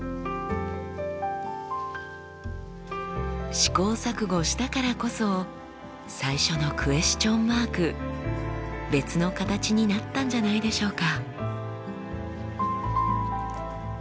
試行錯誤したからこそ最初のクエスチョンマーク別の形になったんじゃないでしょうか？